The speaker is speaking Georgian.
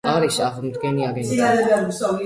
არის აღმდგენი აგენტი.